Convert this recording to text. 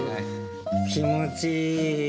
気持ちいい。